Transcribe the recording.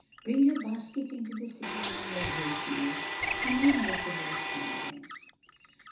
"Bring your basket into the sitting room, where Gracie is; and we'll look over its contents."